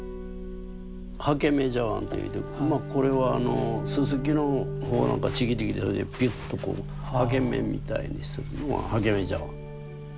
刷毛目茶碗っていうてまあこれはススキの穂なんかちぎってきてピュッとこう刷毛目みたいにするのが刷毛目茶碗。